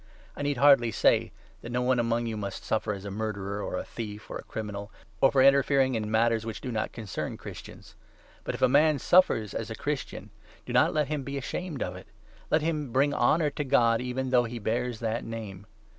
I need hardly say that no one 15 among you must suffer as a murderer, or a thief, or a criminal, or for interfering in matters which do not concern Christians. But, if a man suffers as a Christian, do not let him be 16 ashamed of it ; let him bring honour to God even though he bears that name.